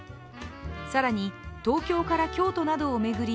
更に、東京から京都などを巡り